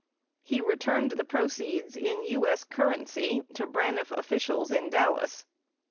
He returned the proceeds, in U.S. currency, to Braniff officials in Dallas.